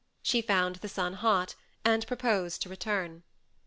She found the sun hot, and proposed to return.